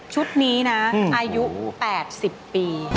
ชุดนี้นะอายุ๘๐ปี